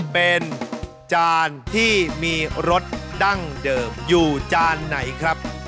เป็นจานที่มีรสดั้งเดิมอยู่จานไหนครับ